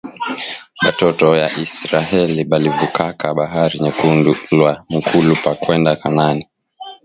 Batoto ya isiraheli balivukaka bahari nyekundu lwa mukulu pa kwenda kanani